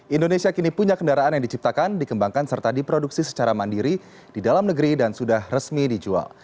indonesia kini punya kendaraan yang diciptakan dikembangkan serta diproduksi secara mandiri di dalam negeri dan sudah resmi dijual